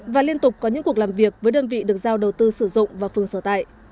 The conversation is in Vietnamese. và liên tục có những cuộc làm việc với đơn vị được giao đầu tư sử dụng và phương sở tại